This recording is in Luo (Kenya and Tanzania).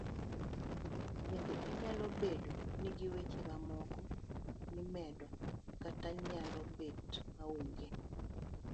Bende inyalo bedo n gi weche mamoko mimedo kata nyalo bet ma onge.